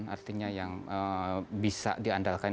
artinya yang bisa diandalkan